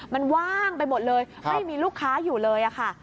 มันว่างไปหมดเลยไม่มีลูกค้าอยู่เลยค่ะ